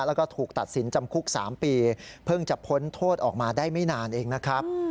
แล้วก็ถูกตัดสินจำคุก๓ปีเพิ่งจะพ้นโทษออกมาได้ไม่นานเองนะครับ